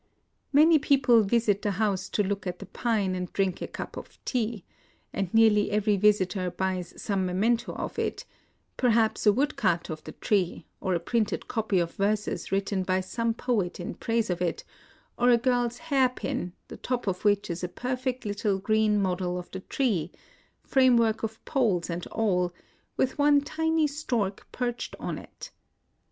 Many people visit the house to look at the pine and drink a cup of tea ; and nearly every visitor buys some memento of it, — perhaps a woodcut of the tree, or a printed copy of verses written by some poet in praise of it, or a girl's hair pin, the top of which is a perfect little green model of the tree, — framework of poles and all, — with one tiny stork perched on it.